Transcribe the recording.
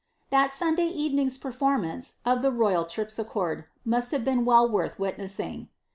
''' That Sunday evening's performance of the royal Terpsichore must have been well worth witnessing.